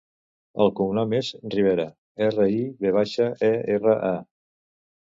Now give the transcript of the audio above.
El cognom és Rivera: erra, i, ve baixa, e, erra, a.